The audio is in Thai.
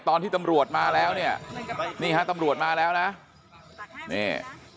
ตอนที่ตำรวจมาแล้วเนี่ยนี่ฮะตำรวจมาแล้วนะนี่